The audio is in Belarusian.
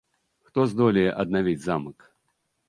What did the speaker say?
Хто здолее аднавіць замак?